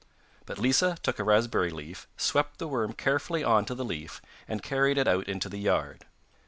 But Lisa took a raspberry leaf, swept the worm carefully on to the leaf and carried it out into the yard.